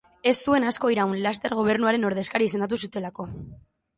Ez zuen asko iraun, laster gobernuaren ordezkari izendatu zutelako.